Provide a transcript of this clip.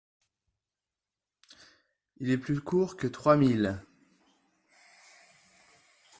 Il est plus court que trois miles.